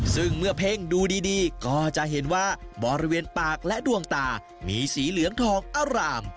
ซึ่งเมื่อเพ่งดูดีก็จะเห็นว่าบริเวณปากและดวงตามีสีเหลืองทองอร่าม